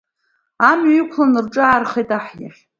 Амҩа иқәланы рҿаархеит аҳ иахь.